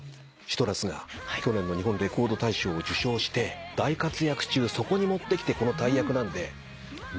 『ＣＩＴＲＵＳ』が去年の日本レコード大賞を受賞して大活躍中そこにもってきてこの大役なんでのってますね。